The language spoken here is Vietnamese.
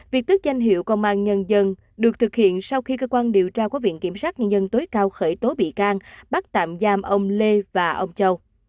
việc tước danh hiệu công an nhân dân được thực hiện sau khi cơ quan điều tra của viện kiểm sát nhân dân tối cao khởi tố bị can bắt tạm giam ông lê và ông châu